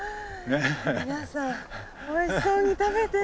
皆さんおいしそうに食べてる。